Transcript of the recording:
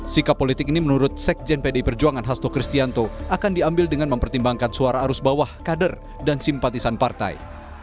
sikap politik ini menurut sekjen pdi perjuangan hasto kristianto akan diambil dengan mempertimbangkan suara arus bawah kader dan simpatisan partai